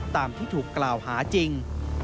ตามที่ถูกกล่าวหาจริง